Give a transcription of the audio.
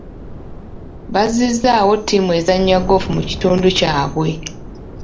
Bazizzaawo ttiimu ezannya goofu mu kitundu kyabwe.